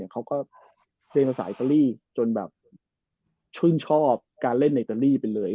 เขาก็เรียนภาษาอิตาลีจนแบบชื่นชอบการเล่นอิตาลีไปเลย